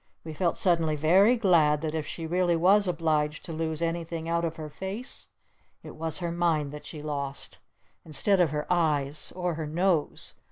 We felt suddenly very glad that if she really was obliged to lose anything out of her face, it was her mind that she lost! Instead of her eyes! Or her nose!